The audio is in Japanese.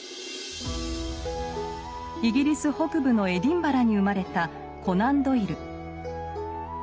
イギリス北部のエディンバラに生まれたコナン・ドイル。